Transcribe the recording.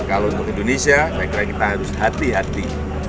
kalau untuk indonesia saya kira kita harus hati hati